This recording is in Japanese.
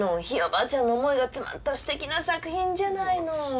ひいおばあちゃんの思いが詰まったすてきな作品じゃないの。